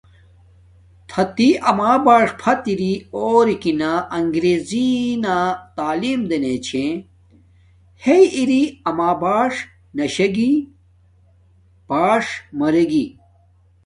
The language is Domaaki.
تھاتی اما بݽ فت اری اورو نا انگریزی نا تعیم دنݣ چھے۔ ہیݵ اری اما بݽ نشے گی۔ باݽ مرے گی